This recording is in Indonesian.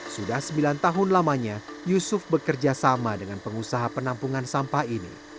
sudah sembilan tahun lamanya yusuf bekerja sama dengan pengusaha penampungan sampah ini